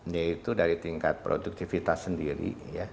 yaitu dari tingkat produktivitas sendiri